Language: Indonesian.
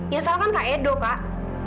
yang salah kan kak edo kak